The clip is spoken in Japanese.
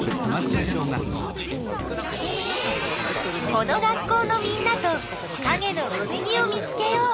この学校のみんなとかげのふしぎを見つけよう！